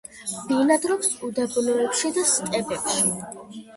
ბინადრობენ უდაბნოებში და სტეპებში.